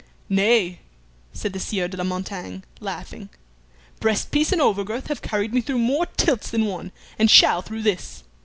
"Nay," said the Sieur de la Montaigne, laughing, "breast piece and over girth have carried me through more tilts than one, and shall through this.